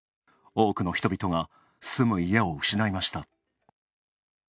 多くの人々が住む家を失いました。